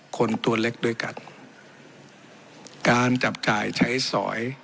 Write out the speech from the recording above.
คนตัวเล็กด้วยกันการจับจ่ายใช้สอย